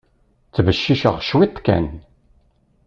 Ttbecciceɣ cwiṭ kan.